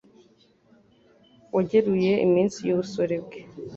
wageruye iminsi y’ubusore bwe